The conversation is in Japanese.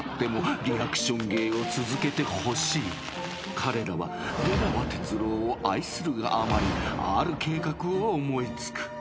［彼らは出川哲朗を愛するがあまりある計画を思い付く］